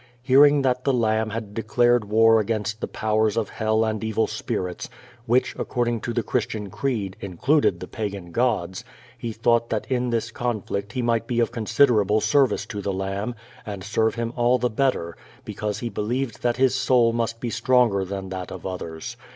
Hearing that the Lamb bad declared war against the powers of hell and evil spirits, which, according to the Christian creed, included the pagan gods, he thought that in this conflict he might be of considerable service to the Lamb, and serve Him all the better, because he believed that his soul must be stronger than that of others.